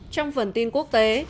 trong phần tin quốc tế